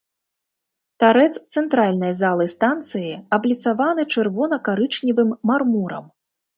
Тарэц цэнтральнай залы станцыі абліцаваны чырвона-карычневым мармурам.